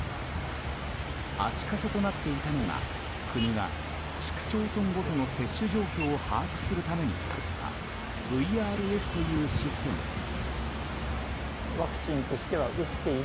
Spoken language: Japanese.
足枷となっていのが国が市区町村ごとの接種状況を把握するために作ったＶＲＳというシステムです。